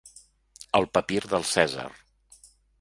El papir del Cèsar.